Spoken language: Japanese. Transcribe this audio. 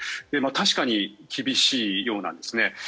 確かに厳しいようなんです。